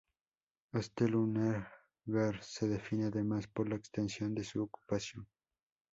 Este lugar se define además por la extensión de su ocupación.